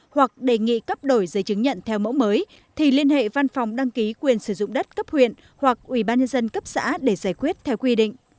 hoặc đề nghị cấp đổi giấy chứng nhận theo mẫu mới thì liên hệ văn phòng đăng ký quyền sử dụng đất cấp huyện hoặc ủy ban nhân dân cấp xã để giải quyết theo quy định